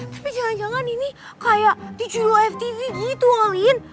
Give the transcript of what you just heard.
tapi jangan jangan ini kayak dicuri oftv gitu olin